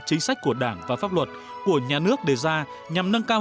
chính sách của đảng và pháp luật của nhà nước đề ra nhằm nâng cao